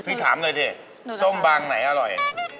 พี่ถามเลยสวัสดีส้มบางไหนอร่อย